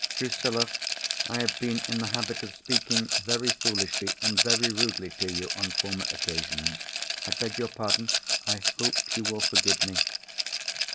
"Drusilla, I have been in the habit of speaking very foolishly and very rudely to you, on former occasions. I beg your pardon. I hope you will forgive me."